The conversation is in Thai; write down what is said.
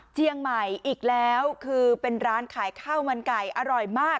เชียงใหม่อีกแล้วคือเป็นร้านขายข้าวมันไก่อร่อยมาก